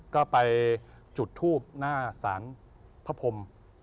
ก็ไปจุดทูบหน้าศาลพระพรม